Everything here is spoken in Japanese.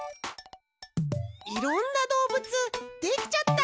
いろんなどうぶつできちゃった！